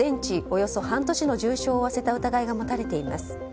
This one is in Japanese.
およそ半年の重傷を負わせた疑いが持たれています。